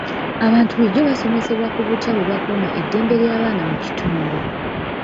Abantu bulijjo basomesebwa ku butya bwe bakuuma eddembe ly'abaana mu kitundu.